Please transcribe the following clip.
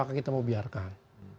apakah kita mau biarkan